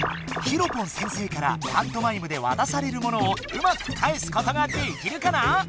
ＨＩＲＯ−ＰＯＮ先生からパントマイムでわたされるものをうまく返すことができるかな？